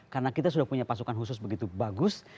karena kita sudah punya pasukan khusus begitu bagus